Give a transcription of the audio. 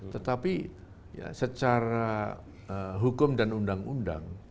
tetapi secara hukum dan undang undang